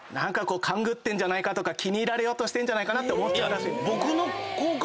勘繰ってんじゃとか気に入られようとしてんじゃないかなって思っちゃうらしい。